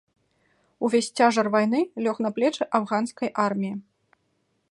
Увесь цяжар вайны лёг на плечы афганскай арміі.